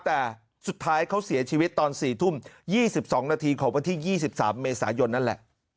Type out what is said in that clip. แต่สุดท้ายเขาเสียชีวิตตอน๔ทุ่ม๒๒นาทีของวันที่๒๓เมษายนนั่นแหละ